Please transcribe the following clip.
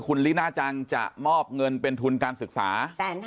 คุณลิน่าจังจะมอบเงินเป็นทุนการศึกษา